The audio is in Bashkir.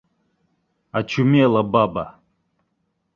Очумела баба!